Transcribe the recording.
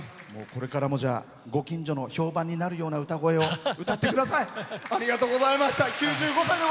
これからもご近所の評判になるような歌を歌ってください。